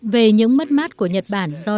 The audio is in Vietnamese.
về những mất mát của nhật bản do